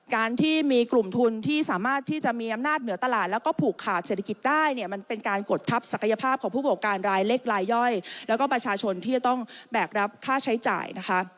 การที่มีกลุ่มทุนที่สามารถที่จะมีอำนาจเหนือตลาดแล้วก็ผูกขาดเศรษฐกิจได้เนี่ยมันเป็นการกดทับศักยภาพของผู้ประกอบการรายเล็กรายย่อยแล้วก็ประชาชนที่จะต้องแบกรับค่าใช้จ่ายนะคะ